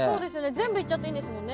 全部いっちゃっていいんですもんね